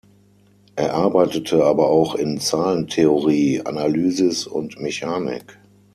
Er arbeitete aber auch in Zahlentheorie, Analysis und Mechanik.